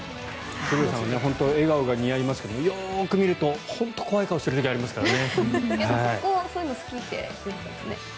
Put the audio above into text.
鶴瓶さんは笑顔が似合いますがよく見ると本当に怖い顔をする時ありますからね。